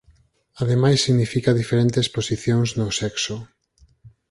Ademais significa diferentes posicións no sexo.